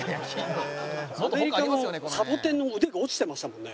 アメリカのサボテンの腕が落ちてましたもんね